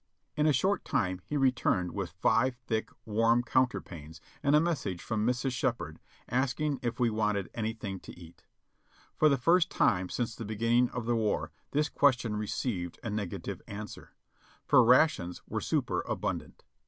In a short time he returned with five thick, warm counterpanes and a message from Mrs. Shep pard asking if we wanted anything to eat. For the first time since the beginning of the war this question received a negative answer, for rations were superabundant.